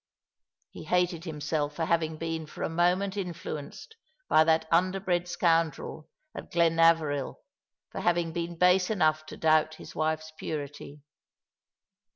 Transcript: He hated himself for having been for a moment influenced by that underbred scoundrel at Glenaveril, for having been base enough to doubt his wife's purity.